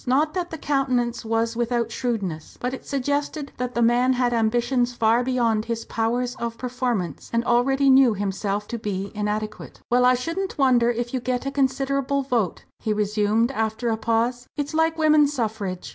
Not that the countenance was without shrewdness; but it suggested that the man had ambitions far beyond his powers of performance, and already knew himself to be inadequate. "Well, I shouldn't wonder if you get a considerable vote," he resumed, after a pause; "it's like women's suffrage.